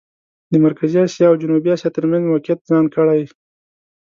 د مرکزي اسیا او جنوبي اسیا ترمېنځ موقعیت ځان کړي.